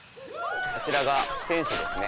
あちらが天守ですね